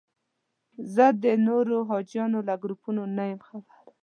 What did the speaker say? زه د نورو حاجیانو له ګروپونو نه یم خبر.